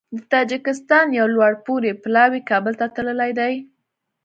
د تاجکستان یو لوړپوړی پلاوی کابل ته تللی دی